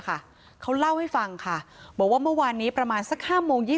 เขาเล่าให้ฟังค่ะบอกว่าเมื่อวานนี้ประมาณสัก๕โมง๒๐